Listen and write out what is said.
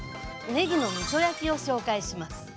ねぎのみそ焼きを紹介します。